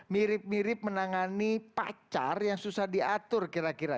mirip mirip menangani pacar yang susah dipercaya